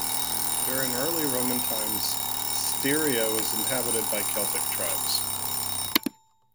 During early Roman times, Styria was inhabited by Celtic tribes.